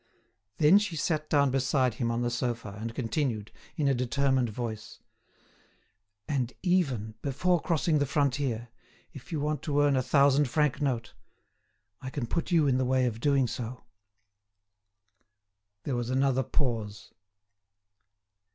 Then she sat down beside him on the sofa, and continued, in a determined voice: "And even, before crossing the frontier, if you want to earn a thousand franc note, I can put you in the way of doing so." There was another pause.